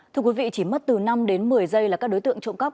thưa quý vị chỉ mất từ năm đến một mươi giây là các đối tượng trộm cắp